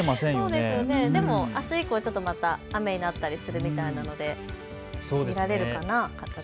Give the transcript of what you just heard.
あす以降ちょっとまた雨になったりするみたいなので見られるかな。